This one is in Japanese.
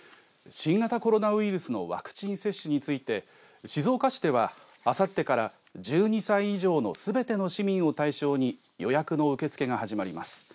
新型コロナウイルスのワクチン接種について静岡市では、あさってから１２歳以上のすべての市民を対象に予約の受け付けが始まります。